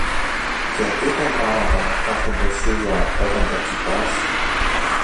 Γιατί τα γράμματα κάθονται σούζα όταν τα κοιτάς